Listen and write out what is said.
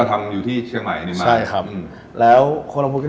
ทำออริจินันต์ก่อน